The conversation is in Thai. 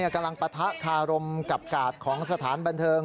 ปะทะคารมกับกาดของสถานบันเทิง